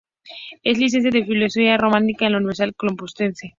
Es Licenciada en Filología Románica por la Universidad Complutense.